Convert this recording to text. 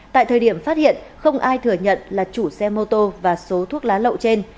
tại thời điểm phát hiện không ai thừa nhận là chủ xe mô tô và số thuốc lá lậu trên